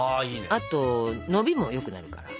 あとのびもよくなるから。